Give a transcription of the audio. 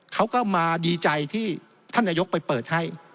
เขาก็มาดีใจที่ท่านนายกไปเปิดให้